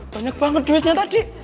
banyak banget duitnya tadi